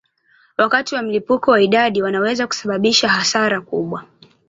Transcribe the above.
Wakati wa mlipuko wa idadi wanaweza kusababisha hasara kubwa.